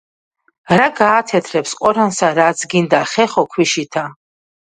რა გაათეთრებს ყორანსა, რაც გინდა ხეხო ქვიშითა